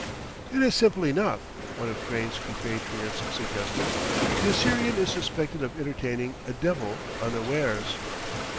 "It is simple enough," one of Crane's compatriots suggested: "the Assyrian is suspected of entertaining a devil unawares."